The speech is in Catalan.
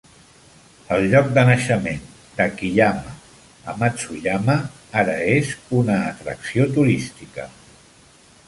El lloc de naixement d'Akiyama a Matsuyama ara és una atracció turística.